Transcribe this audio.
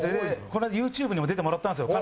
この間ＹｏｕＴｕｂｅにも出てもらったんですよ